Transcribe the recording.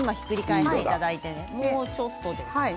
もうちょっとですね。